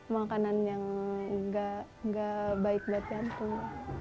makanan yang nggak baik buat nyantung